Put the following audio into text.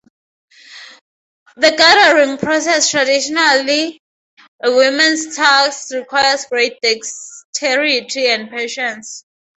The gathering process, traditionally a woman's task, requires great dexterity and patience.